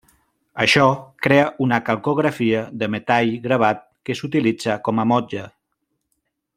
Això crea una calcografia de metall gravat, que s'utilitza com a motlle.